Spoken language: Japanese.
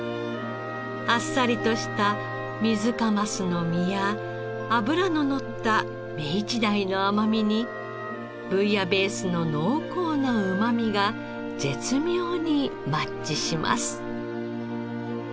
あっさりとしたミズカマスの身や脂ののったメイチダイの甘みにブイヤベースの濃厚なうまみが絶妙にマッチします。